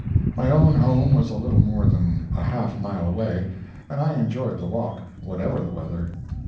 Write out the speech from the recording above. My own home was a little more than a half mile away, and I enjoyed the walk, whatever the weather.